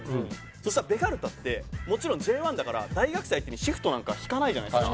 そしたらベガルタってもちろんＪ１だから大学生相手にシフトなんか敷かないじゃないですか。